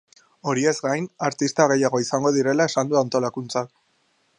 Horiez gain, artista gehiago izango direla esan du antolakuntzak.